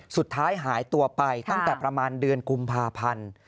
สุดท้ายหายตัวไปตั้งแต่ประมาณเดือนกุมภาพันธ์